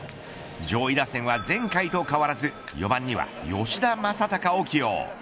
上位打線は前回と変わらず４番には吉田正尚を起用。